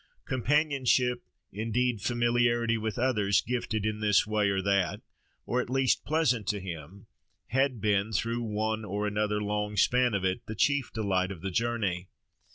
Companionship, indeed, familiarity with others, gifted in this way or that, or at least pleasant to him, had been, through one or another long span of it, the chief delight of the journey.